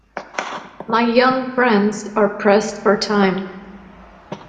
My young friends are pressed for time.